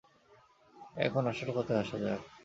এখন আসল কথায় আসা যাক।